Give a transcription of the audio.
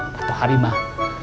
patuh hari mah